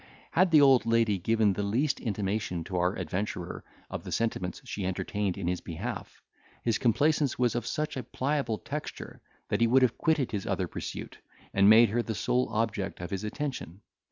Had the old lady given the least intimation to our adventurer, of the sentiments she entertained in his behalf, his complaisance was of such a pliable texture, that he would have quitted his other pursuit, and made her the sole object of his attention.